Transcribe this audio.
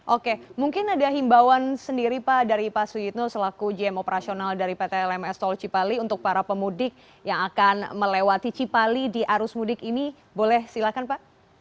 oke mungkin ada himbauan sendiri pak dari pak suyitno selaku gm operasional dari pt lms tol cipali untuk para pemudik yang akan melewati cipali di arus mudik ini boleh silahkan pak